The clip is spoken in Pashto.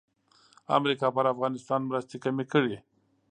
امریکا پر افغانستان مرستې کمې کړې.